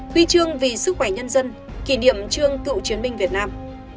huy chương vì sức khỏe nhân dân kỷ niệm trương cựu chiến binh việt nam